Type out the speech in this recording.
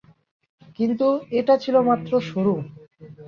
কিন্তু, এটা ছিল মাত্র শুরু।